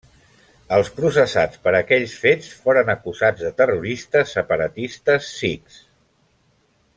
Els processats per aquells fets foren acusats de terroristes separatistes sikhs.